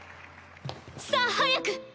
さあ早く！